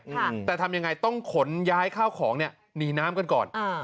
อืมแต่ทำยังไงต้องขนย้ายข้าวของเนี้ยหนีน้ำกันก่อนอ่า